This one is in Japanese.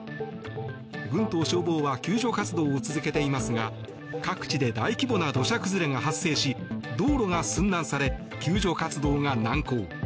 軍と消防は救助活動を続けていますが各地で大規模な土砂崩れが発生し道路が寸断され救助活動が難航。